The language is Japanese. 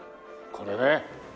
これね。